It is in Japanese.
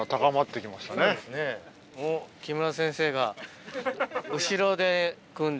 おっ木村先生が。